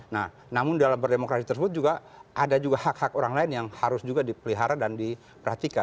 nah namun dalam berdemokrasi tersebut juga ada juga hak hak orang lain yang harus juga dipelihara dan diperhatikan